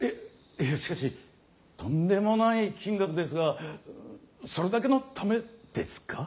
いやしかしとんでもない金額ですがそれだけのためですか？